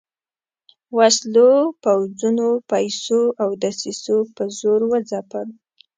وسلو، پوځونو، پیسو او دسیسو په زور وځپل.